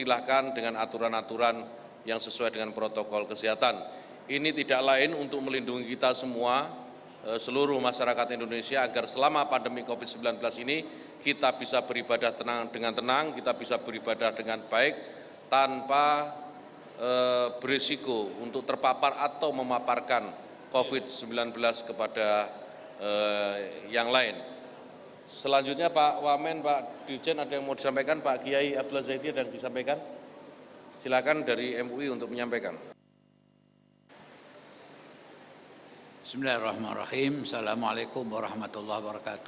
assalamu'alaikum warahmatullah wabarakatuh